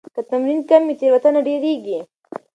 که تمرین کم وي، تېروتنه ډېريږي.